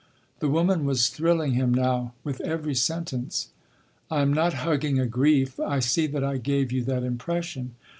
The woman was thrilling him now with every sentence: "I am not hugging a grief. I see that I gave you that impression.